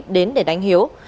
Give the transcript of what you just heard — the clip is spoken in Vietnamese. đến để đánh hiếu